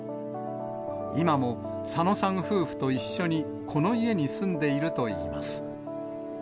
今も佐野さん夫婦と一緒に、この家に住んでいるといいます。